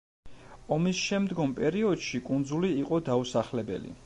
ომისშემდგომ პერიოდში კუნძული იყო დაუსახლებელი.